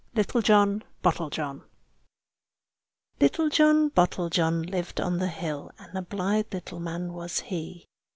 LITTLE JOHN BOTTLEJOHN Little John Bottlejohn lived on the hill, And a blithe little man was he.